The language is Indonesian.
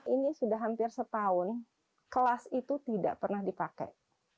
ini sudah hampir setahun kelas itu tidak pernah dipakai